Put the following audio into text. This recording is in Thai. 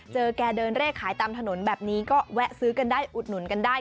แกเดินเลขขายตามถนนแบบนี้ก็แวะซื้อกันได้อุดหนุนกันได้